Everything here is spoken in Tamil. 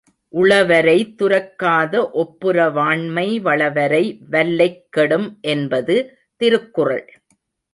உளவரை துரக்காத ஒப்புர வாண்மை வளவரை வல்லைக் கெடும் என்பது திருக்குறள்.